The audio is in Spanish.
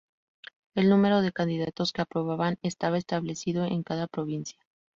El número de candidatos que aprobaban estaba establecido en cada provincia.